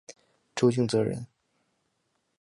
朱敬则人。